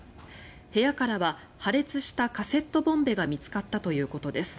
部屋からは破裂したカセットボンベが見つかったということです。